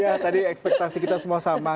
ya tadi ekspektasi kita semua sama